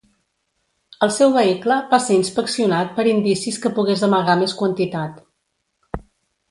El seu vehicle va ser inspeccionat per indicis que pogués amagar més quantitat.